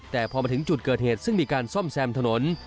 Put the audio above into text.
แต่พอมาถึงจุดเกิดเหตุซึ่งมีการซ่อมแซมถนน